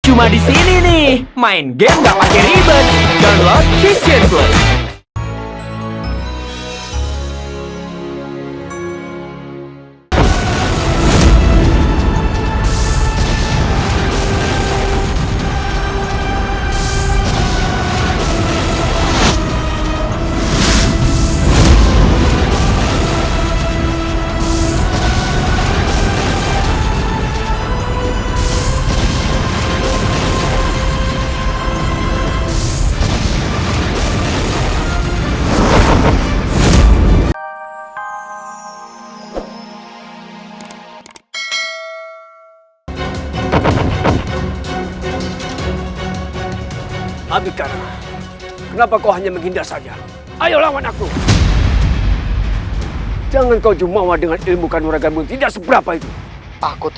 cuma disini nih main game gak pake ribet